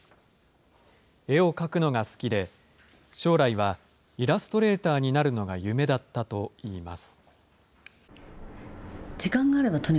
絵を描くのが好きで、将来はイラストレーターになるのが夢だったといいます。